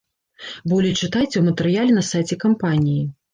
Болей чытайце ў матэрыяле на сайце кампаніі.